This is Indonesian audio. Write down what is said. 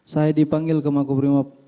saya dipanggil ke makubrimob